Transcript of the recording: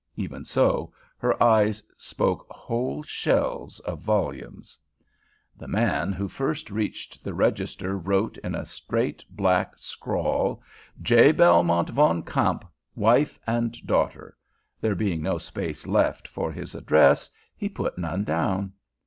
Even so, her eyes spoke whole shelves of volumes. The man who first reached the register wrote, in a straight black scrawl, "J. Belmont Van Kamp, wife, and daughter." There being no space left for his address, he put none down.